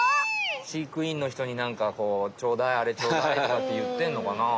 飼育員のひとになんかこう「ちょうだいあれちょうだい」とかっていってんのかな？